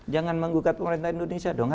jangan menggugat pemerintah indonesia dong